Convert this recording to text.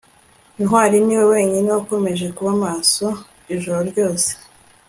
ntwali niwe wenyine wakomeje kuba maso ijoro ryose